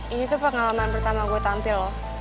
ini tuh pengalaman pertama gue tampil